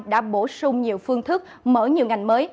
đã bổ sung nhiều phương thức mở nhiều ngành mới